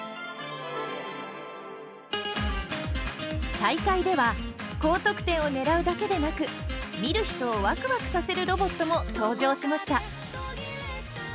大会では高得点を狙うだけでなく見る人をワクワクさせるロボットも登場しました。